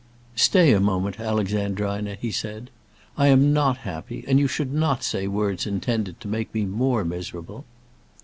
"Stay a moment, Alexandrina," he said; "I am not happy, and you should not say words intended to make me more miserable."